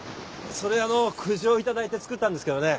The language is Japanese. それあのう苦情頂いて作ったんですけどね。